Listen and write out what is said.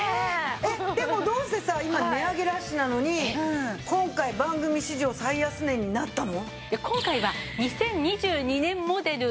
えっでもどうしてさ今値上げラッシュなのに今回番組史上最安値になったの？